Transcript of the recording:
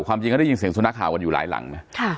ความจริงก็ได้ยินเสียงสุนัขข่าวกันอยู่หลายหลังนะ